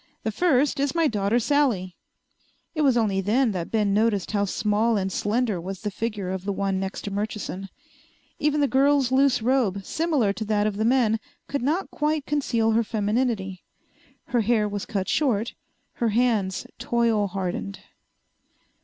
"The first is my daughter Sally." It was only then that Ben noticed how small and slender was the figure of the one next to Murchison. Even the girl's loose robe, similar to that of the men, could not quite conceal her femininity. Her hair was cut short, her hands toil hardened.